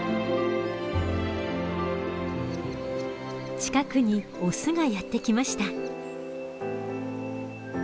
近くにオスがやって来ました。